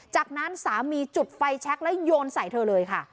จากนั้นสามีจุดไฟแช็คแล้วโยนใส่เธอเลยค่ะ